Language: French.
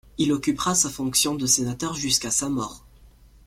Il occupera sa fonction de sénateur jusqu'à sa mort.